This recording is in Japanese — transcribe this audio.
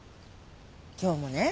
今日もね。